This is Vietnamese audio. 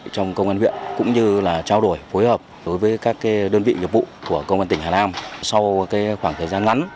trong công ty của công an tỉnh hà nam sau khoảng thời gian ngắn